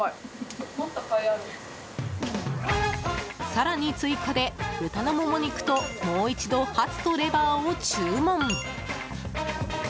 更に、追加で豚のモモ肉ともう一度ハツとレバーを注文。